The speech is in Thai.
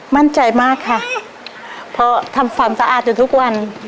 มั่นใจมากค่ะเพราะทำความสะอาดอยู่ทุกวัน